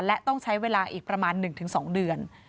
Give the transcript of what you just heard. และต้องใช้เวลาอีกประมาณ๑๒เดือน